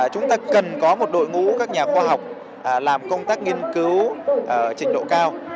chúng ta cần có một đội ngũ các nhà khoa học làm công tác nghiên cứu trình độ cao